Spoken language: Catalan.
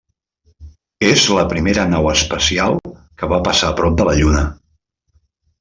És la primera nau espacial que va passar a prop de la Lluna.